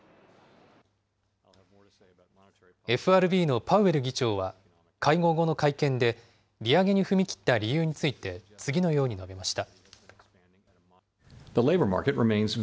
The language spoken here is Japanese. ＦＲＢのパウエル議長は会合後の会見で、利上げに踏み切った理由について、次のように述べました。